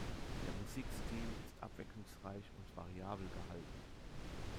Der Musikstil ist abwechslungsreich und variabel gehalten.